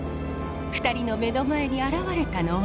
２人の目の前に現れたのは。